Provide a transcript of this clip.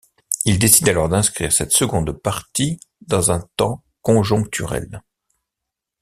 Il décide alors d’inscrire cette seconde partie dans un temps conjoncturel.